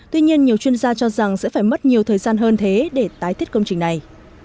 tuy nhiên nhiều chuyên gia cho rằng sẽ phải mất nhiều thời gian hơn thế để tái thiết công trình này